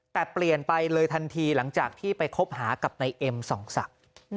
แต่เปลี่ยนไปเลยทันทีหลังจากที่ไปคบหากับนายเอ็มส่องศักดิ์